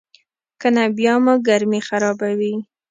کنه بیا مو ګرمي خرابوي.